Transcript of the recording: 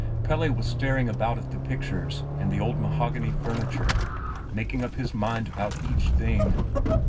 Pelle was staring about at the pictures and the old mahogany furniture, making up his mind about each thing.